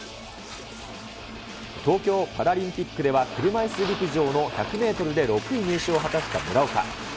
東京パラリンピックでは車いす陸上の１００メートルで６位入賞を果たした村岡。